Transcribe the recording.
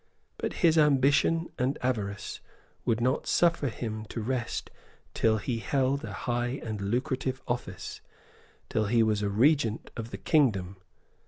But his ambition and avarice would not suffer him to rest till he held a high and lucrative office, till he was a regent of the kingdom.